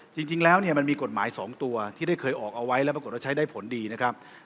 จริงแล้วเนี่ยมันมีกฎหมาย๒ตัวที่ได้เคยออกเอาไว้แล้วปรากฏว่าใช้ได้ผลดีนะครับ